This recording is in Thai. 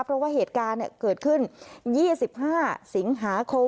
เพราะว่าเหตุการณ์เกิดขึ้น๒๕สิงหาคม